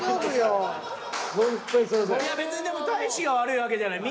別にでも大志が悪いわけじゃない。